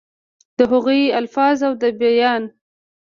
دَ هغوي الفاظ او دَ بيان